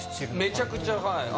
めちゃくちゃはい。